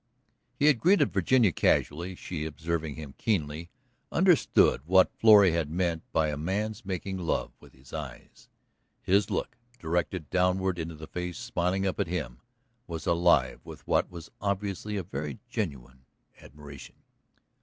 He had greeted Virginia casually; she, observing him keenly, understood what Florrie had meant by a man's making love with his eyes. His look, directed downward into the face smiling up at him, was alive with what was obviously a very genuine admiration.